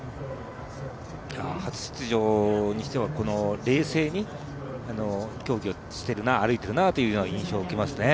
初出場にしては冷静に競技をしている歩いているなという印象を受けますね。